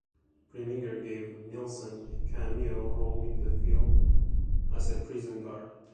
Preminger gave Nilsson a cameo role in the film as a prison guard.